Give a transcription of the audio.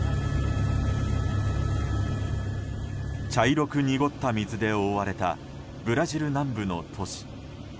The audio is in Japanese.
茶色く濁った水で覆われたブラジル南部の都市。